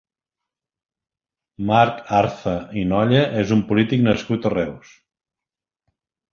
Marc Arza i Nolla és un polític nascut a Reus.